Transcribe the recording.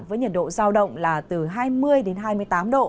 với nhiệt độ giao động là từ hai mươi đến hai mươi tám độ